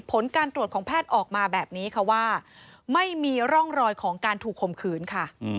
ผลการตรวจของแพทย์ออกมาแบบนี้ค่ะว่าไม่มีร่องรอยของการถูกข่มขืนค่ะ